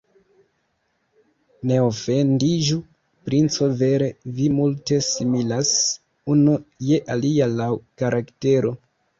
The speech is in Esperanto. Ne ofendiĝu, princo, vere, vi multe similas unu je alia laŭ karaktero.